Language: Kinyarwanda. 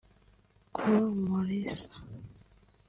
Col Mulisa